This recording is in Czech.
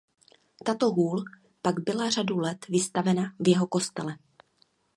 Tato hůl pak byla řadu let vystavena v jeho kostele.